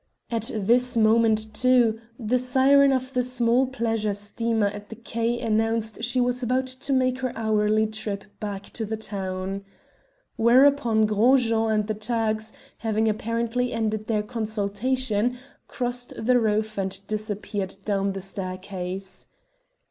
At this moment, too, the siren of the small pleasure steamer at the quay announced she was about to make her hourly trip back to the town. Whereupon Gros Jean and the Turks, having apparently ended their consultation, crossed the roof and disappeared down the staircase.